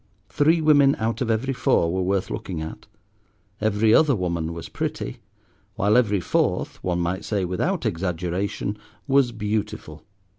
Three women out of every four were worth looking at, every other woman was pretty, while every fourth, one might say without exaggeration, was beautiful.